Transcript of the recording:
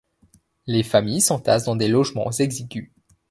Les familles s'entassent dans des logements exigus.